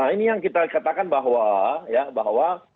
ini yang kita katakan bahwa